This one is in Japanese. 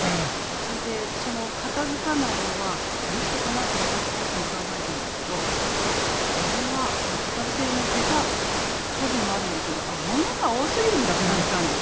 それで片付かないのはどうしてかなって私自身も考えたんだけどあっこれは片付けの下手加減もあるんだけど物が多すぎるんだって感じたんですよ。